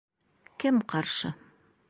Кем ҡаршы?